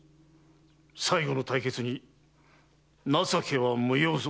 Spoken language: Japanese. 最後の対決に情けは無用ぞ。